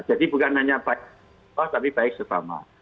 jadi bukan hanya baik tapi baik sesama